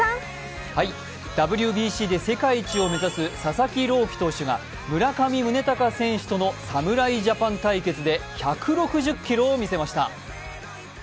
ＷＢＣで世界一を目指す佐々木朗希投手が村上宗隆選手との侍ジャパン対決で１６０キロを見せました。